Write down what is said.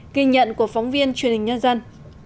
kỳ nhận của phóng viên truyền hình nhân dân